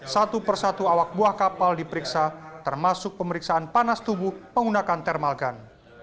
satu persatu awak buah kapal diperiksa termasuk pemeriksaan panas tubuh penggunakan termalgan